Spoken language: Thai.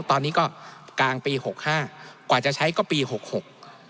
ตอนนี้ก็กลางปีหกห้ากว่าจะใช้ก็ปีหกหก